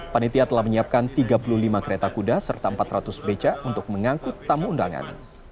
panitia telah menyiapkan tiga puluh lima kereta kuda serta empat ratus beca untuk mengangkut tamu undangan